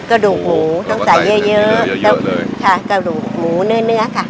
กระดูกหมูต้องใส่เยอะเยอะค่ะกระดูกหมูเนื้อเนื้อค่ะ